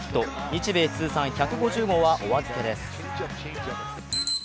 日米通算１５０号はお預けです。